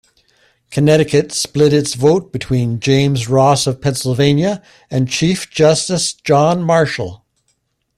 Connecticut split its vote between James Ross of Pennsylvania and Chief Justice John Marshall.